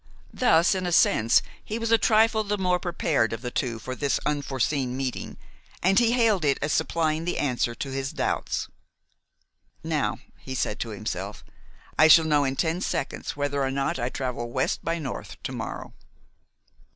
Thus, in a sense, he was a trifle the more prepared of the two for this unforeseen meeting, and he hailed it as supplying the answer to his doubts. "Now," said he to himself, "I shall know in ten seconds whether or not I travel west by north to morrow."